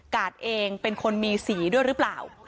เองเป็นคนมีสีด้วยหรือเปล่า